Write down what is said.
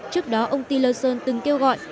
trước đó ông tillerson từng kêu gọi